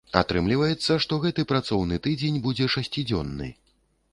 Атрымліваецца, што гэты працоўны тыдзень будзе шасцідзённы.